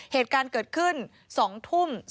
เหตุการณ์เกิดขึ้น๒ทุ่ม